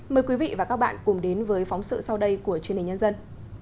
mời quý vị và các bạn cùng đến với phóng sự sau đây của truyền hình nhân dân